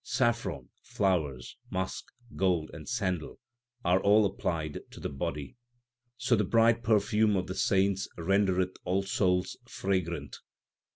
Saffron, flowers, musk, gold, and sandal are all applied to the body ; So the bright perfume of the saints rendereth all souls fragrant.